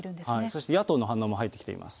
そして野党の反応も入ってきています。